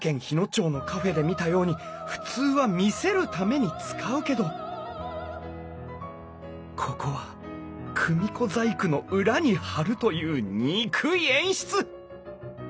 町のカフェで見たように普通は見せるために使うけどここは組子細工の裏に張るという憎い演出！